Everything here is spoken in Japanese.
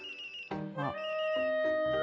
あっ。